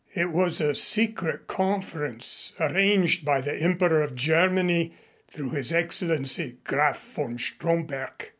It was a secret conference, arranged by the Emperor of Germany through His Excellency Graf von Stromberg.